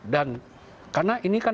dan karena ini kan